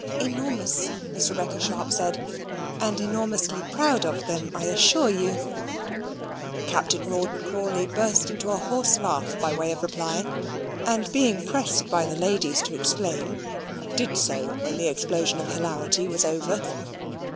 "Enormous," Miss Rebecca Sharp said, "and enormously proud of them, I assure you." Captain Rawdon Crawley burst into a horse laugh by way of reply; and being pressed by the ladies to explain, did so when the explosion of hilarity was over.